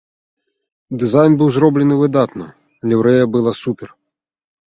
Дызайн быў зроблены выдатна, ліўрэя была супер!